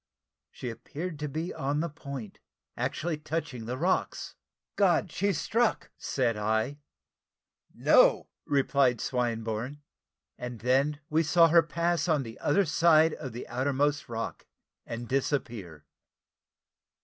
She appeared to be on the point actually touching the rocks "God! she's struck!" said I. "No!" replied Swinburne; and then we saw her pass on the other side of the outermost rock, and disappear.